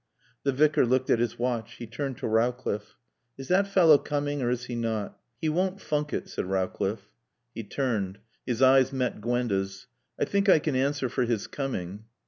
The Vicar looked at his watch. He turned to Rowcliffe. "Is that fellow coming, or is he not?" "He won't funk it," said Rowcliffe. He turned. His eyes met Gwenda's. "I think I can answer for his coming."